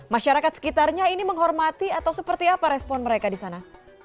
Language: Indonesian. masyarakat sekitarnya ini menghormati atau seperti apa respon mereka di sana